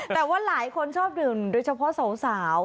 แต่ว่าหลายคนชอบดื่มโดยเฉพาะสาว